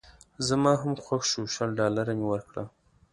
زما هم خوښ شو شل ډالره مې ورکړل.